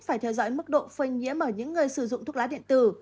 phải theo dõi mức độ phơi nhiễm ở những người sử dụng thuốc lá điện tử